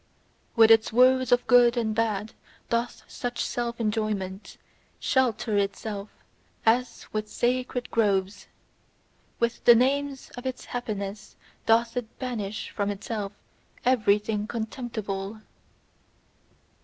With its words of good and bad doth such self enjoyment shelter itself as with sacred groves; with the names of its happiness doth it banish from itself everything contemptible.